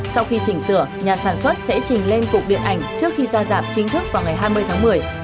sau khi chỉnh sửa nhà sản xuất sẽ chỉnh lên cục điện ảnh trước khi ra dạp chính thức vào ngày hai mươi tháng một mươi